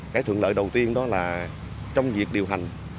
cái thuận lợi đầu tiên đó là trong việc điều hành